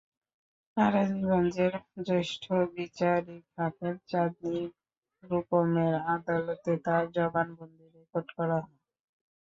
নারায়ণগঞ্জের জ্যেষ্ঠ বিচারিক হাকিম চাঁদনী রূপমের আদালতে তাঁর জবানবন্দি রেকর্ড করা হয়।